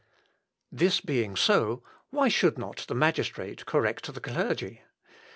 ] "This being so, why should not the magistrate correct the clergy?